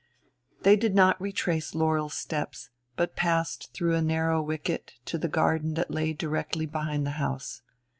They did not retrace Laurel's steps, but passed through a narrow wicket to the garden that lay directly behind the house.